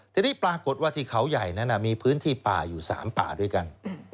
ทีนี้ปรากฏว่าที่เขาใหญ่นั้นมีพื้นที่ป่าอยู่๓ป่าด้วยกัน